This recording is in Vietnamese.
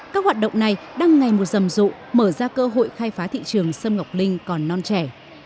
các hoạt động này đang ngày một rầm rộ mở ra cơ hội khai phá thị trường sâm ngọc linh còn non trẻ